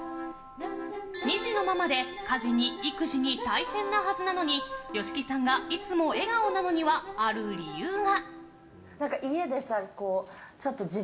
２児のママで家事に育児に大変なはずなのに吉木さんがいつも笑顔なのにはある理由が。